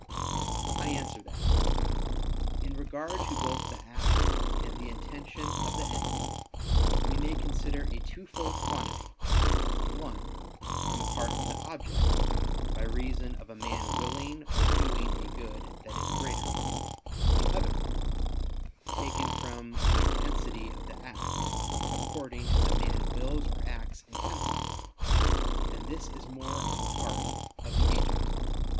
I answer that, In regard to both the act, and the intention of the end, we may consider a twofold quantity: one, on the part of the object, by reason of a man willing or doing a good that is greater; the other, taken from the intensity of the act, according as a man wills or acts intensely; and this is more on the part of the agent.